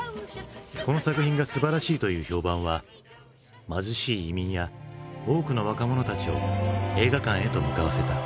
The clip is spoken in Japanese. この作品がすばらしいという評判は貧しい移民や多くの若者たちを映画館へと向かわせた。